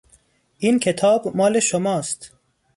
این کتاب مال شماست.